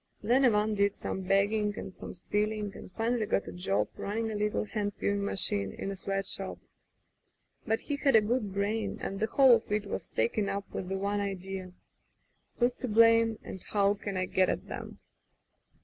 Then Ivan did some begging and some stealing and finally got a job running a little hand sewing machine in a sweat shop. But he had a good brain, and the whole of it was taken up with the one idea: "Who's to blame, and how can I get at 'em?"